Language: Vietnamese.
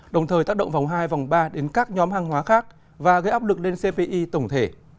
đồng thời tác động vòng hai vòng ba đến các nhóm hàng hóa khác và gây áp lực lên cpi tổng thể